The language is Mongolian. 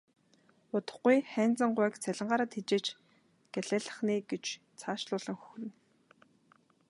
Удахгүй Хайнзан гуайг цалингаараа тэжээж гялайлгах нь ээ гэж цаашлуулан хөхөрнө.